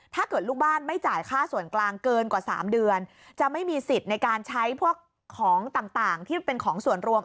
ถ้าเกิดลูกบ้านไม่จ่ายค่าส่วนกลางเกินกว่า๓เดือนจะไม่มีสิทธิ์ในการใช้พวกของต่างที่เป็นของส่วนรวม